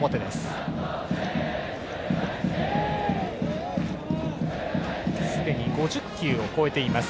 石川、すでに５０球を超えています。